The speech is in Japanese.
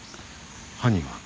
犯人は？